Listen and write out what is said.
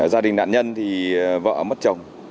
gia đình nạn nhân thì vợ mất chồng